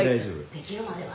「できるまでは」